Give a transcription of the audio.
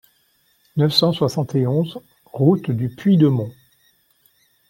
neuf cent soixante et onze route du Puy de Mont